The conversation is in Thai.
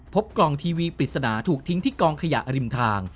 พบกล่องทีวีปริศนาถูกทิ้งที่กองขยะริมทาง